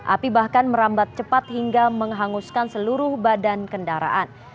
api bahkan merambat cepat hingga menghanguskan seluruh badan kendaraan